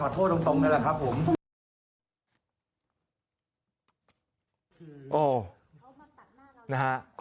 ก็เป็นอย่างง่ายขอโทษตรงนั่นแหละครับ